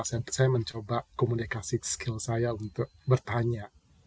saya mencoba komunikasi skill saya untuk bertanya